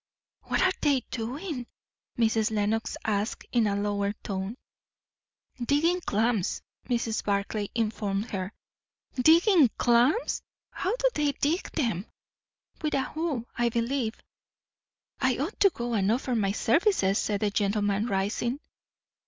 "What are they doing?" Mrs. Lenox asked, in a lower tone. "Digging clams," Mrs. Barclay informed her. "Digging clams! How do they dig them?" "With a hoe, I believe." "I ought to go and offer my services," said the gentleman, rising.